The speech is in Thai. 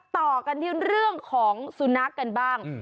ต่อกันที่เรื่องของสุนัขกันบ้าง